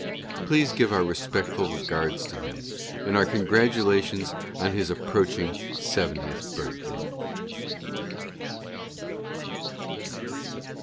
Please give our respectful regards to him, and our congratula tions on his approaching seventieth birthday.